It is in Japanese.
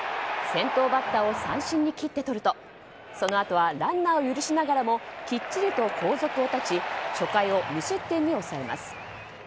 先頭バッターを三振に切って取るとそのあとはランナーを許しながらもきっちりと後続を断ち初回を無失点に抑えます。